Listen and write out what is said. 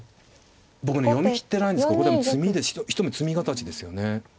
僕ね読み切ってないんですけどここでも一目詰み形ですよね。